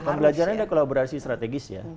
ya pembelajarannya adalah kolaborasi strategis ya